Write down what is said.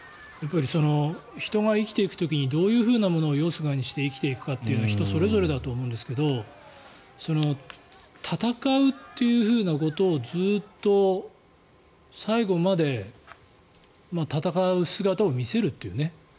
人が生きていく時にどういうものをよすがにして生きていくかというのは人それぞれだと思うんですけど戦うっていうことをずっと最後まで戦う姿を見せるっていうね。